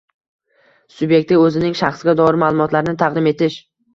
Subyektga o‘zining shaxsga doir ma’lumotlarini taqdim etish